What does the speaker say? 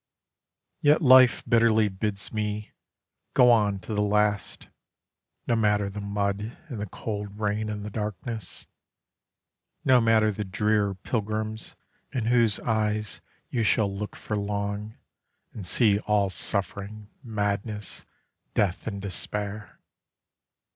Yet life bitterly bids me: "Go on to the last, No matter the mud and the cold rain and the darkness: No matter the drear pilgrims in whose eyes you shall look for long, And see all suffering, madness, death and despair."